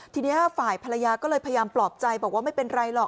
ทีนี้ฝ่ายภรรยาก็เลยพยายามปลอบใจบอกว่าไม่เป็นไรหรอก